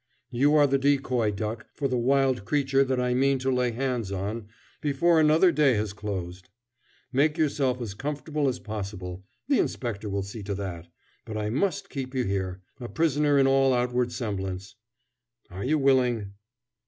You are the decoy duck for the wild creature that I mean to lay hands on before another day has closed. Make yourself as comfortable as possible the inspector will see to that but I must keep you here, a prisoner in all outward semblance. Are you willing?"